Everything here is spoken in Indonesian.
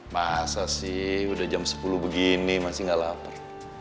masa sih udah jam sepuluh begini masih gak lapar